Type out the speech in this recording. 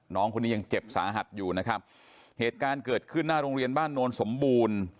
น้องคนนี้ยังเจ็บสาหัสอยู่นะครับเหตุการณ์เกิดขึ้นหน้าโรงเรียนบ้านโนนสมบูรณ์